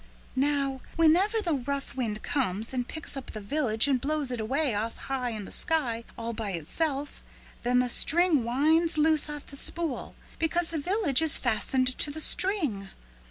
"Now whenever the rough wind comes and picks up the village and blows it away off high in the sky all by itself then the string winds loose of the spool, because the village is fastened to the string.